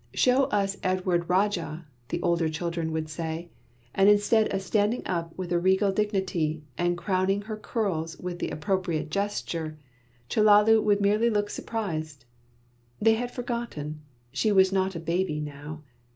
"Show us Edward Rajah!" the older children would say; and instead of standing up with a regal dignity and crowning her curls with the appropriate gesture, Chellalu would merely look surprised. They had forgotten. She was not a baby now.